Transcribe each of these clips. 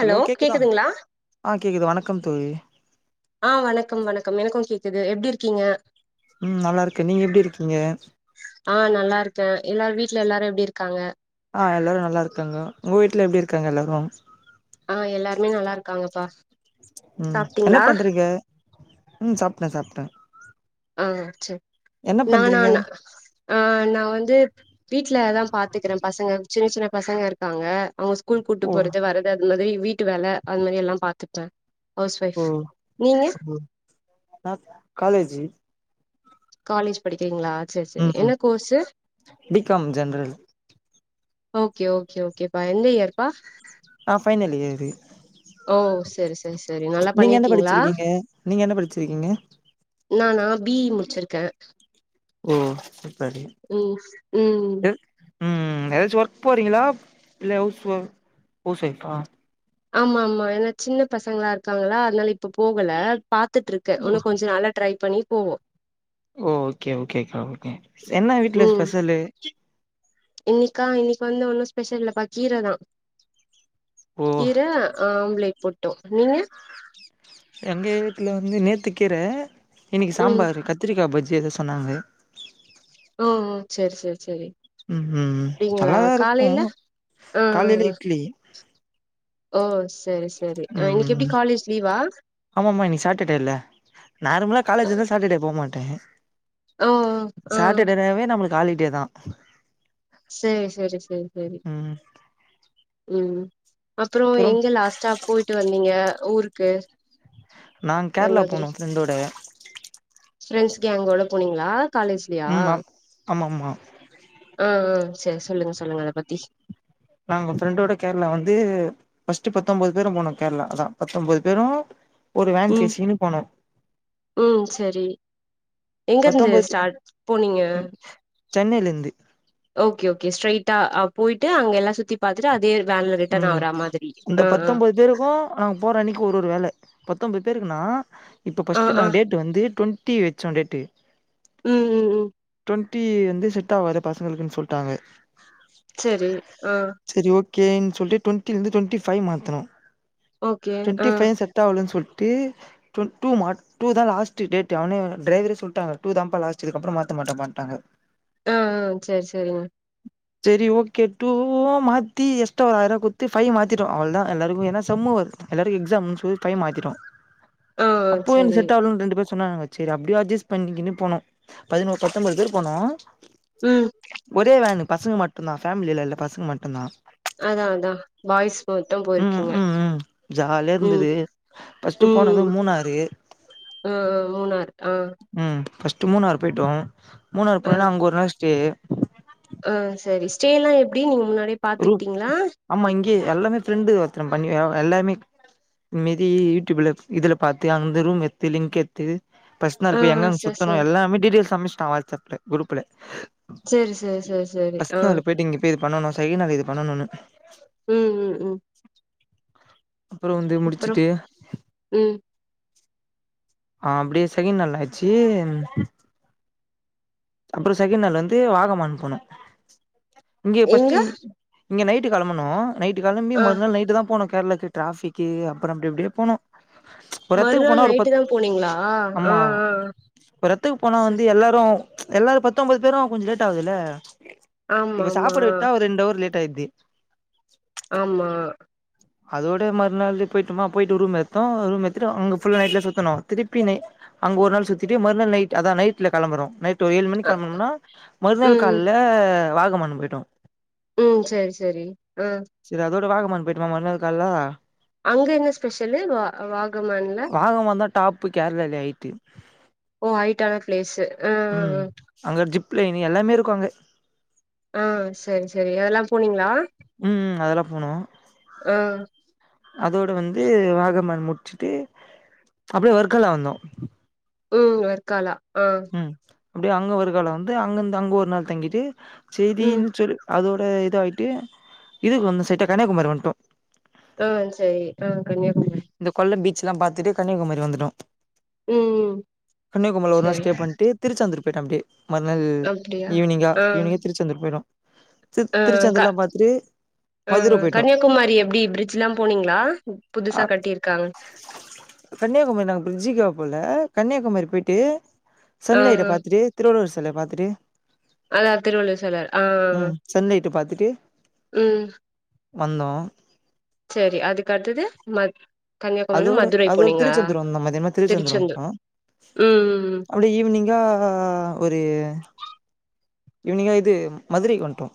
Hello கேக்குதா ஆ கேக்குது வணக்கம் தோழி ஆ வணக்கம் வணக்கம் எனக்கு கேக்குது எப்டி இருக்கீங்க ம் நல்லா இருக்க நீங்க எப்டி இருக்கீங்க ஆ நல்லா இருக்க எல்லாரு வீட்ல எல்லாரு எப்டி இருக்காங்க ஆ எல்லாரு நல்லா இருக்காங்க உங்க வீட்ல எப்டி இருக்காங்க எல்லாரு ஆ எல்லாருமே நல்லா இருக்காங்கப்பா ம் என்ன சாப்ட்டீங்களா பண்றீங்க ம் சாப்ட சாப்ட ஆ செ நானா பண்றீங்க ஆ நா வந்து வீட்லதா பாத்துக்கிற பசங்க சின்ன சின்ன பசங்க இருக்காங்க அவுங்க ஸ்கூல் கூப்ட்டு ஓ போறது வரது அது மாதிரி வீட்டு வேல அது மாரி எல்லாம் பாத்துப்பே ஹவுஸ் வைஃப் ஓ நீங்க ஓ நா காலேஜி காலேஜ் படிக்கிறீங்களா செர் செரி ம் ம் என்ன course B com general okay okay ஓகேப்பா எந்த இயர்பா நா ஃபைனல் யேரு சரி சரி சரி நல்லா நீங்க என்ன பண்ணிருக்கீங்களா படிச்சிருக்கீங்க நீங்க என்ன படிச்சிருக்கிங்க நானா பீ ஈ முட்ச்சிருக்கே ஓ சூப்பரு ம் ம் எது ம் எதாச்சு ஒர்க் போறீங்களா இல்ல ஹவுஸ் ஒ ஹவுஸ் ஒய்ஃபா ஆமா ஆமா ஏனா சின்னப் பசங்ளா இருக்காங்கல்ல அதனால இப்ப போகல பாத்துட்ருக்கே ஓ உன்னு கொஞ்ச நாள்ல ட்ரை பண்ணி போவோ ஓ ஓகே ஓகேக்கா ஓகே என்ன வீட்ல ஸ்பெசலு இன்னிக்கா இன்னிக் வந்து ஒன்னு ஸ்பெஷல் இல்லப்பா கீர தா ஓ கீர ஆம்லேட் போட்டோ நீங்க எங்க வீட்ல வந்து நேத்து கீர இன்னிக்கு ம் சாம்பாரு கத்திரிக்கா பஜ்ஜி எதோ சொன்னாங்க ஓ செரி செரி செரி ம் ம் அப்டிங்களா நல்லாதா இருக்கு காலையில அ அ காலைல அ இட்லி ஓ செரி செரி அ ம் இன்னிக்கெப்டி காலேஜ் லீவா ஆமாமா இன்னிக்கி சாட்டடேல்ல நார்மலா காலேஜ் இர்ந்தா சாட்டடே போ மாட்டே ஓ ஆ சாட்டடேனாவே நம்மளுக்கு ஹாலிடே தா சேரி செரி செரி செரி ம் ம் அப்புறோ அப்புறம் எங்க லாஸ்டா போய்ட்டு வந்தீங்க ஊருக்கு நாங் அது கேரளா மாதிரி போனோ ஃப்ரெண்டோட ஃப்ரெண்ட்ஸ் கேங்கோட போனீங்களா காலேஜ்லியா ம் ஆம் ஆமாமா ஆ ஆ செ சொல்லுங்க சொல்லுங்க அத பத்தி நாங்க ஃப்ரெண்டோட கேரளா வந்து ஃபர்ட்டு பத்தொம்போது பேரு போனோ கேரளா அதா பத்தொம்போது பேரு ஒரு வேன் ம் பேசிக்கினு போனோ ம் செரி எங்கருந்து பத்தொம்போது ஸ்டாட் போனீங்க சென்னையில இருந்து ஓகே ஓகே ஸ்ட்ரைட்டா ஆ போய்ட்டு அங்க எல்லா சுத்தி பாத்துட்டு அதே வேன்ல ரிட்டர்ன் ம் ஆவற மாதிரி இந்த ஆ ஆ பத்தொம்பொது பேருக்கு நாங்க போற அன்னிக்கு ஒரு ஒரு வேல பத்தொம்பொத் பேருக்குனா இப்போ ஆ ஃபஸ்ட்டு ஆ நாங்க டேட் டு வந்து டொன்டி வெச்சோ டேட்டு ம் ம் ம் டொன்டி வந்து செட் ஆவாது பசங்களுக்குன் சொல்ட்டாங்க செரி ஆ செரி ஓகேன் சொல்ட்டு டொன்டிலிந்து டொன்டி ஃபை மாத்துனோ ஓகே ஆ டொன்டி ஃபையு செ ட் ஆவலன் சொல்ட்டு டொன் டூ மாத் டூ தா லாஸ்ட்டு டேட்டு அவனே டிரைவரே சொல்ட்டாங்க டூ தா இதுக்கப்பற மாத்த மாட்டேன்ட்டாங்க ஆ ஆ சேரி சேரிங் சரி ஓகே டூவா மாத்தி எஸ் டு ஒரு ஆயிரம் குட்த்து ஃபை மாத்திட்டோ அவ்ளோ தா எல்லாருக்கு ஏன்னா சம்மு எல்லாருக்கு எக்ஸாம்னு சொல்லி டைம் மாத்திட்டோ ஆ ஆ அப்போ இந்த செரி செட் ஆளுங்க ரெண்டு பேர் சொன்னாங்க சேரி அப்பிடியே அட்ஜஸ்ட் பண்ணிக்கின்ட்டு போனோ பதினோரு பத்தொன்ம்பது பேர் போனோ ம் ஒரே வேனு பசங்க மட்டுந்தா ஃபேமில இல்ல பசங்க மட்டுந்தா அதா அதா பாய்ஸ் மட்டு ம் போயிருக்கீங்க ம் ம் ஜாலியா ம் இருந்தது ஃபர்ஸ்ட்டு ம் போனது மூணாறு ஆ ஆ மூணாறு ஆ ம் ஃபர்ஸ்ட்டு மூணாறு போயிட்டோ மூணாறு ஆ போனா அங்க ஒரு நாள் ஸ்டே ஆ சரி ஸ்டே எல்லா எப்டி நீங்க முன்னாடியே ரூ பாத்துக்கிட்டீங்களா ஆமா இங்கே எல்லாமே ஃப்ரெண்டு ஒருத்தனம் பண்ணி ஆ எல்லாமே மீதி யூடியூப்ல இதுல பாத்து அந்த ரூம் எடுத்து லிங்க் எடுத்து ஃபர்ஸ்ட் நாள் ஆ போயி எங்கங்க சேர் சுத்தணு சேரி எல்லாமே டீடெயில்ஸ் அச்சட்டா வாட்ஸ்அப்ல குரூப்ல சேரி சேரி சேரி சேரி ஆ ஃபர்ஸ்ட் நாள் இங்க போயட்டு இங்க போய் இது பண்ணணு சை நால இது பண்ணணுனு ம் ம் அப்பற வந்து அப்றோ முடிச்சுட்டு ம் ஆ அப்டியே செகின் நல்லாச்சு அப்பற செகண்ட் நாள் வந்து வாகம அனுப்பனோ இங்க பஸ்ட்டு எங்க இங்க நைட்டு கெளம்பணு நைட்டு கெளம்பி ஆ மறுநாள் நைட்டு தா போன கேரளக்கு ட்ராபிக்கு அப்பற அப்டி இப்டியே போனோ ஓறத்துக்கு மறுநாள் போனா ஒரு நைட்டு பத் தா போனீங்களா ஆ ஆமா ஆ ஒறத்துக்கு போனா ச வந்து எல்லாரு எல்லாரு பத்தொன்பது பேரு கொஞ்ச. லேட் ஆகுதுல்ல ஆமா இப்போ ஆமா சாப்பட விட்டா ஒரு ரெண்டவர் லேட்டாது ஆமா அதோட மறுநாள் போயிட்டுமா போயிட்டு ரூம் எடுத்தோ ரூம் எத்துட்டு அங்க புல்லா நைட்ல சுத்தணு திருப்பி நை அங்க ஒரு நாள் சுத்திட்டு மறுநாள் நைட்டு அதா நைட்ல கெளம்புறோ ஒரு ஏழு மணி அ களம்புணம்னா மறுநாள் ம் கால்ல வாகமானு போயிட்டோ ம் சரி சரி ஆ சரி அதோட வாகமான் போயிட்டுமா மறுநாள் கால்ல அங்க என்ன ஸ்பெஷலு வா வாகமான்ல வாகமான் தா டாப்பு கேரளாலே ஹைட்டு ஓ ஐட்டான பிளேஸ்சு ஆ ம் அங்க ஜிப் லைன் எல்லாமே இருக்கு அங்க ஆ சரி சரி அதெல்லா போனீங்களா ம் ம் அதெல்லா போனோ ஆ அதோட வந்து வாகம்மன் முடிச்சுட்டு அப்டியே ஒர்க்கலா வந்தோ ம் வர்க்காலா ஆ ம் அப்டியே அங்க வர்கால வந்து அங்கந்து அங்க ஒரு நாள் தங்கிட்டு ம் செய்தின்னு சொல்லி அதோட இத ஆகிட்டு இதுக்கு வந்து சட்ட கன்னியாகுமரி வந்துட்டோ ஆ சரி ஆ கன்னியாகுமரி இந்த கொல்லம் பீச்சல்லாம் பாத்தட்டு கன்னியாகுமரி வந்துட்டோ ம் கன்னியாகுமரி ஒரு நாள் சேரி ஸ்டே பண்ட்டு திருச்செந்தூர் போயிட்ட அப்டே மறுநாள் அப்டியா ஈவினிங்கா ஆ ஈவினிங்கா திருச்செந்தூர் போயிடுவ ஆ க ஆ மதுர போயிட்டோ கன்னியாகுமாரி எப்டி பிரிட்ஜ்லா போனீங்களா ஆ கன்னியாகுமரி நாங்க பிரிட்ஜுக்குலா போல கன்னியாகுமரி போய்ட்டு ஆ சன்லைட்ட பாத்துட்டு திருவள்ளுவர் செலைய பாத்துட்டு அ திருவள்ளுவர் செல ஆ ம் சன்லைட்ட பாத்துட்டு ம் வந்தோ சரி அதுக்கடுத்தது மை கன்னியாகுமரி அதோட மதுரை அதோட போனீங்கலா திருச்செந்தூர் வந்தோ மதியானமா திருச்செந்தூர் ம் குழு ஈவினிங்கா ஒரு ஈவினிங்காக இது மதுரைக்கு வந்ட்டோ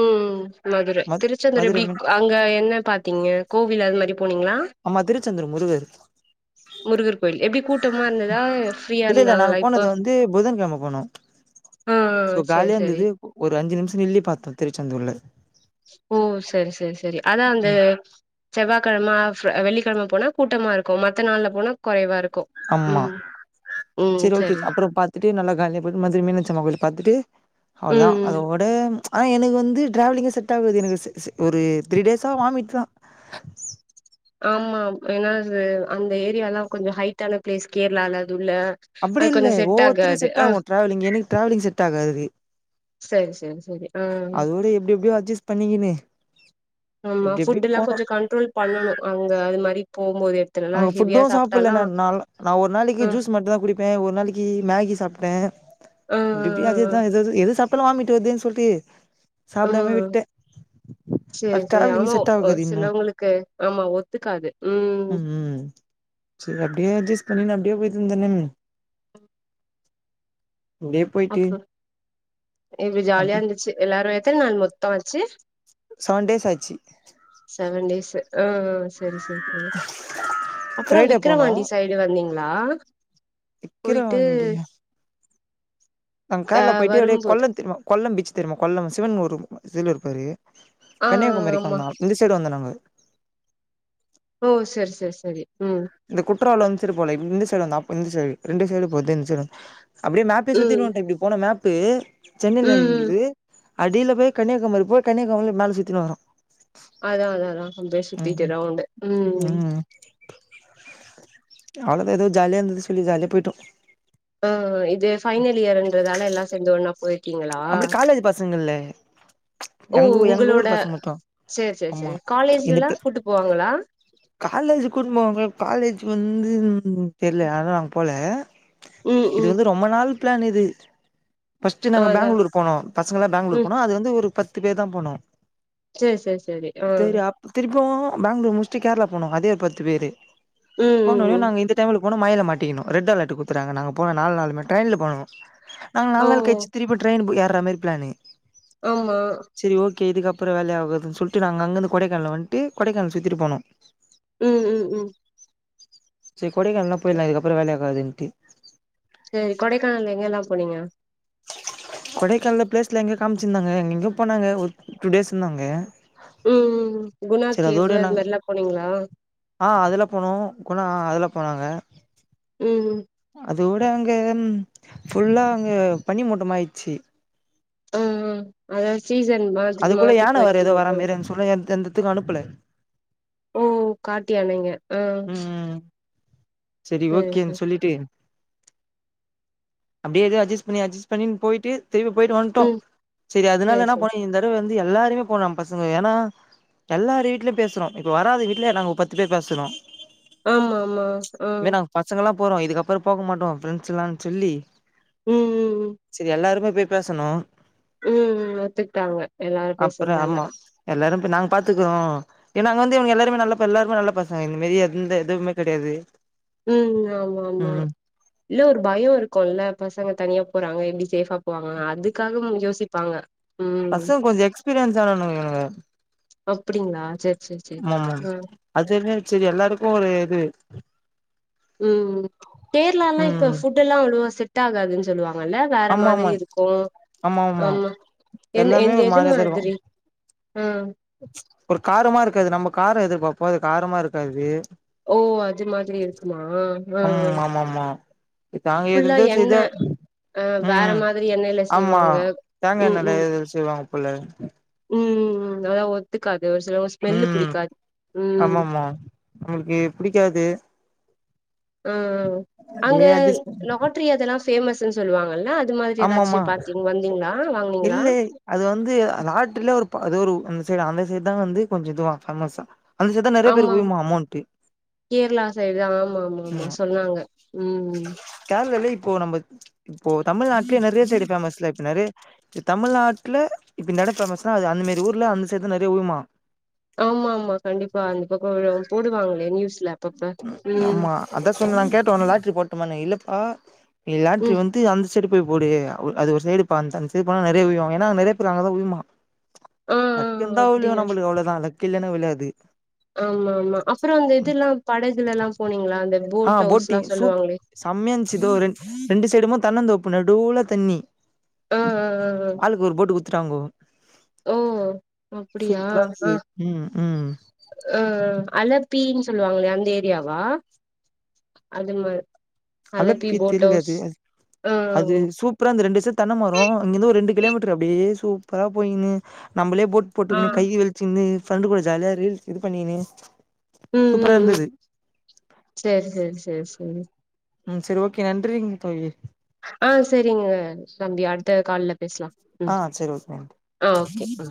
ம் மதுரை மத் திருச்செந்தூர் மதுரை எப்டி மீன் அங்க என்ன பாத்தீங்க கோவில் அது மாரி போனீங்ளா ஆமா திருச்சந்ரு முருகரு முருகர் கோயில் எப்டி கூட்டமா இருந்துதா ஃப்ரீயா இருந்தாங்களா இப்போ து புதன் கெழம போனோ சோ செரி காலியா செரி இருந்துது ஒரு அஞ்சு நிமிஷ நில்லி பாத்த திருச்செந்தூர்ல ஓ சரி சரி சரி அதா அந்த ம் செவ்வா கெழம ஆஃப் வெள்ளிக்கெழம போனா கூட்டமா இருக்கு மத்த நாள்ல போனா கொறைவா இருக்கு ஆமா ம் சரி ஓகே அப்பற பாத்துட்டு நல்லா காலைல போய்ட்டு மதிய மீனாட்சி அம்மா கோயில பாத்துட்டு அவ்ளோதா ம் அதோ ம் ஆனா எனக்கு வந்து ட்ராவலிங்கே செட் ஆகாது எனக்கு ஒரு த்ரீ டேஸா வாமிட்தா ஆமா ஏனா அது அந்த ஏரியாலா கொஞ்சோ ஹைட்டான பிளேஸ் கேரளால அது உள்ள அப்டி அது இல்ல கொஞ்சோ செட் ஒவ்வொத்தரு ஆகாது செட் ஆ ஆகு டராவலிங் எனக்கு ட்ராவலிங் செட் ஆகாது சரி சரி சரி ஆ அதோட எப்டி எப்டியோ அட்ஜஸ்ட் பண்ணிக்கின்னு ஆமா எப்டி எப்டியோ ஃபுட்ல்லா போனோம். கொஞ்சோ கண்ட்ரோல் பண்ணணு அங்க அது மாரி போம்போதே அங்க ஃபுட்டு சாப்ட்ல நானு நாளா ஒரு நாளைக்கு ஆ ஜூஸ் மட்டுதா குடிப் நா ஒரு நாளைக்கு மேகி சாப்ட்ட ஆ ஆ அப்டிஅப்டி அதேதா எதேதோ எதோ சாப்ட் இப்ப வாமிட் வருதுன் சொல்ட்டு ஆ ஆ ஆ சாப்டாம விட்ட அது டிராவலிங் செட் ஆகாது இன்னு க ஆமா ஒத்துக்காது ம் ம்ம் சரி அப்டியே அட்ஜஸ்ட் பண்ணினு அப்டியே போய்ட்டு இருந்தே நானு அப்டியே போயிட்டு அப்ப இப்ப ஜாலியா அப்டி இருந்துச்சு எல்லாரு எத்தன நாள் மொத்த ஆச்சு செவன் டேஸ் ஆச்சு செவன் டேஸ் ஆ சரி சரி சரி அப்பற ஃப்ரைடே போனோ விக்கரவாண்டி சை டு வந்தீங்ளா விக்கிரவாண்டியா நாங்க ஆ கார்ல போய்ட்டு அப்டியே வரும்போது கொல்ல தெரிமா கொல்லம் பீச் தெரிமா கொல்லம் சிவன் ஊரு சில இருப்பாரே ஆ கன்னியாகுமரிக்கு ஆமா வந்தோ இந்த சைடு வந்தோ நாங்க ஓ சர் சர் சரி ம் இந்த குற்றால அந் சைடு போல இந்த சைடு வந்தோ அப்ப இந்த சைடு ரெண்டு சைடு போது இந்த சைடு வ அப்டியே மேப்பே ம் சுத்தின் வந்ட்டோ இப்டி போன மேப்பு ம் ம் சென்னைலருந்து அடில போய் கன்னியாகுமரி போய் கன்னியாகுமரி மேல சுத்தினு வரு அதா அதா அதா அப்டியே சுத்திட்டு ரவ்ண்டு ம் அவ்ளோதா எதோ ஜாலியா இருந்துது சொல்லி ஜாலியா போய்ட்டோ ஆ இது ஃபைனல் இயர்ன்றதால எல்லா சேந்து ஒன்னா போய் அப்டி காலேஜ் பசங்க இல்ல ஓ எங்க ஊ எங்க உங்களோட ஊரு பசங்க மட்டு சேரி சேரி ஆமா சேரி இந்த காலேஜ்லலா ப கூட்டு போவாங்களா காலேஜ் குடுன்போவாங்க காலேஜ் வந்து தெர்ல ஆனா நாங்க போல ம் இது ம் வந்து ரொம்ப நாள் பிளான் இது ஃபஸ்டு ஆ நாங்க அதா பெங்களூர் போனோ பசங்க எல்லா பெங்களூர் ம் போனோ அது வந்து ஒரு பத்து பேர் தா போனோ சேர் சேர் சரி ஆ திரும்பவு பெங்களூர் முச்ட்டு கேரளா போனோ அதே பத்து பேரு ம் ம் ம் ஆனாலோ இந்த டைம்ல போனோ மழைல மாட்டிக்கிணு ரெட் அலர்ட் கொடுத்துடாங்க நாங்க போன நாலு நாளுமே டெய்ன்ல போனு நாங்க ஓ நால் நாள் கழிச்சு திருப்பி ட்ரெயின் ஏற்ற மாரி பிளானு ஆமா சரி ஓகே இதுக்கப்புறோ வேலைக்கு ஆகாதுன் சொல்ட்டு நாங்க அங்கந்து கொடைக்கானல வந்ட்டு கொடைக்கானல சுத்திட்டு போனோ ம் ம் ம் சரி கொடைக்கானல்லா போயிட்லா இதுக்கப்புறோ வேலைக்காதுன்ட்டு சேரி கொடைக்கானல எங்க எல்லா போனீங்க கொடைக்கால்ல பிளேஸ்லா எங்க காமிச்சிருந்தாங்க எங்க எங்கயோ போனாங்க ஒரு டூ டேஸ் இருந்தாங்க ம் குணா சரி கேவு அதோட அது நாங் மாரில்லா போனீங்களா ஆ அதெல்லா போனோ குனா அதெல்லா போனாங்க ம் ம் அதோட அங்க ஃபுல்லா அங்க பனி மூட்டமா ஆயிச்சு ம் அது சீசன் மா அதுக்குள்ள யான வேற ஏதோ வர மாரின்னு சொல்லி எந்தந்த எடத்துக்கு அனுப்புல ஓ காட்டு யானைங்க ஆ செரி சேரி ஓகேன்னு சேரி சொல்லிட்டு அப்டியே ஏதோ அட்ஜஸ்ட் பண்ணி அட்ஜஸ்ட பண்ணின்னு போயிட்டு திரும்பி போயிட்டு வந்ட்டோ ம் சரி சேரி அதனால என்ன சேரி பண்ணோ இந்த தடவ வந்து எல்லாருமே போனோ பசங்க ஏன்னா எல்லாரு வீட்லையு பேசுறோ இப்ப வராத வீட்லயு நாங்க பத்து பேர் பேசறோ ஆமா ஆமா ஆ பசங்கல்லா போறோ இதுக்கப்புறோ போக மாட்டோ ஃப்ரெண்ட்ஸ் எல்லா சொல்லி ம் ம் சரி எல்லாருமே போய் பேசணு ம் அது அப்புறோ ஆமா எல்லாரு போய் நாங்க பாத்துக்குறோ ஏன்னா அங்க வந்து இவனுங்க எல்லாருமே நல்ல ப எல்லாருமே பசங்க இந்த மாரி எந்த இதுவுமே கெடையாது ம் ஆமா ஆமா ம் இல்ல ஒரு பயோ இருக்குல்ல பசங்க தனியா போறாங்க எப்டி சேஃபா போவாங்க அதுக்காகவு யோசிப்பாங்க ம் பசங்க கொஞ்ச எக்ஸ்பீரியன்ஸ் ஆனவனுங்க இவனுங்க அப்டிங்களா சேர் சேர் சேர் ஆமாமா ஆ அதுமே செரி எல்லாருக்கு ஒரு இது ம் கேரளா எல்லா இப்ப ம் ஃபுட் எல்லா அவ்ளோவா செட் ஆகாதுன்னு சொல்லுவாங்கல்ல வேற ஆமா மாதிரி ஆமா இருக்கு ஆமா எந் எல்லாமே எந்த ஒரு எது மாரியாதா மாதிரி இருக்கு ஆ ஒரு காரமா இருக்காது நம்ம கார எதிர்பார்ப்போ அது காரமா இருக்காது ஓ அது மாதிரி இருக்குமா ஆ ஆ ஆமா தாங்க ஏதோ ஃபுல்லா ஏதோ செய்த எண்ணெ ஆ வேற மாதிரி எண்ணெயில செய்வாங்க தேங்கா ம் எண்ணெய்ல ம் எது செய்வாங்க போல ம் அத்வே ஒத்துக்காது ஒரு சில ஸ்மெல்லு புடிக்காது ம் ஆமம்மா நம்ளுக்கே புடிக்காது ஆ அங்க அதே அட்ஜஸ் லாட் ட்ரி அதெல்லாம் ஃபேமஸ்ஸு சொல்வாங்கல்ல அது மாரி ஏதாச்சி பாத்தீங் வந்தீங்களா வாங் இல்லெய் அது வந்து அ ராட்டுல ஒரு பா அது ஒரு அந்த சைட் அந்த சைட்தா வந்து கொஞ்சம் இதுவா ஃபேமஸ்ஸா ஆமாங் கேரளா சைடே ஆமாமாமா சொன்னாங்க உம் கேர்ளில இப்போ நம்மக் இப்போ தமிழ்நாட்லே நறியா சைடு ஃபேமஸ்ல இப்ப நறே இ தமிழ்நாட்ல இப்ப நட ஃபேமஸா அது அந்த மாரி ஊர்ல அந்த சைட்தா நறியா உருமா ஆமா ஆமா கண்டிப்பா அந்த பக்கோ [unintelligible] போடுவாங்ளே ந்யூஸ்ல ஆமா அதா சொல்லநான் கேட்ட ஒனே லாட்ரி போட்டுமானே இல்லப்பா இ லாட்ரி ம் வந்து அந்துஸ் சைடு போய் போடு அவ் அது ஒரு சைடு பான்தந் சை போனா நெறையா உய்வு ஏன்னா நெறையா பேரு அங்கதா உய்யுமா ஆ ஆ லக் இந்தா விழ்யு அப்டியா நம்மளுக் அவ்ளோதா லக் இல்லன்னா விழாது ஆமா ஆமா அப்பறோ அந்த இதுல்லா படகுலல்லா போனீங்களா அந்த ஆ போட் ஹவுஸ்ல்லா போட்டிங் சூப் சொல்லுவாங்களே செம்மையா இந்ச்சி இதோ ரெண் ரெண்டு சைடுமு தன்னந் தோப்பு நடூல தண்ணி ஆ ஆ ஆ ஆளுக்கு ஒரு போட் டு குடுத்துட்டாங்கோ ஆ ஓ அப்டியா ஆ ம் ம் ஆ அலப்பீன் சொல்லுவாங்லே அந்த ஏரியாவா அது மார் அலப்பி தெரில அது ஆ அது சூப் ப்ற அந்த ரெண்டு செ தென்ன மரோ அங்கிருந்து ஒரு ரெண்டு கிலோமீட்டர் அப்டியே சூப்பரா போயின்னு நம்மளே போட் ஆ போட்டுக்குன்னு கையி வழிச்சின்னு ஃப்ரெண்டு கூட ஜாலியா ரீல்ஸ் இது பண்ணின்னு ம் ம் ம் சேரி செரி செர் செரி ம் சரி ஓகே நன்றிங்க தோழியே ஆ சரிங்க தம்பி அடுத்த கால்ல பேஸ்லா ஆ ம் சரி ஓகே ஆ ஓகே அ